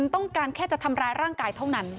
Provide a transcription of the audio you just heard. ต้องการแค่จะทำร้ายร่างกายเท่านั้น